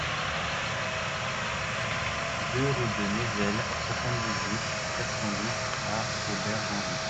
deux rue de Nézel, soixante-dix-huit, quatre cent dix à Aubergenville